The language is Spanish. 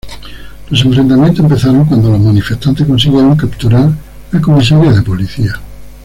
Los enfrentamientos empezaron cuando los manifestantes consiguieron capturar la comisaría de policía.